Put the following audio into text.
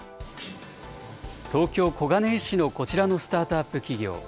東京・小金井市のこちらのスタートアップ企業。